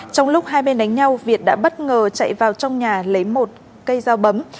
trong lúc hai bên đánh nhau việt đã bất ngờ chạy vào trong nhà lấy một cây dao bấm